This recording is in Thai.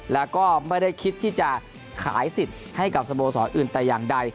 แล้วก็ไม่ได้คิดที่จะขายสิทธิ์ให้กับสโมสรอื่นแต่อย่างใด